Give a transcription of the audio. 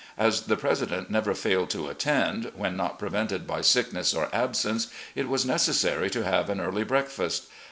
As the president never failed to attend, when not prevented by sickness or absence, it was necessary to have an early breakfast.